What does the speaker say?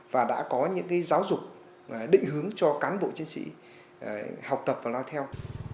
và đã có những giáo dục định hướng cho cán bộ chiến sĩ học tập và lo theo